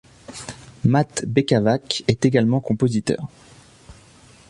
Mate Bekavac est également compositeur.